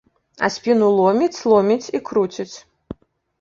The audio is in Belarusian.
А спіну ломіць, ломіць і круціць.